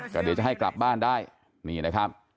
แต่เดี๋ยวจะให้กลับบ้านได้นี่นะครับ